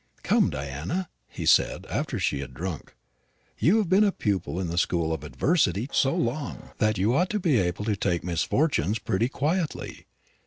"Come, Diana," he said, after she had drunk, "you have been a pupil in the school of adversity so long, that you ought to be able to take misfortunes pretty quietly.